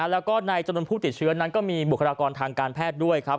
แล้วก็ในจำนวนผู้ติดเชื้อนั้นก็มีบุคลากรทางการแพทย์ด้วยครับ